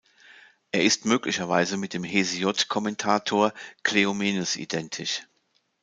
Er ist möglicherweise mit dem Hesiod-Kommentator Kleomenes identisch.